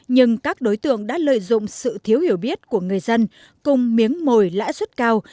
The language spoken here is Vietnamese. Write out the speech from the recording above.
nhưng các đối tượng đã lợi dụng sự thiếu hiểu biết của người dân cùng miếng mồi lãi suất cao